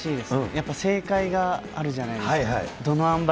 やっぱ正解があるじゃないですか。